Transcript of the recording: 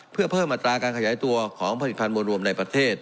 เพื่อเพิ่มอัตราการขยายตัวของผลิตภัณฑ์รวมในประเทศ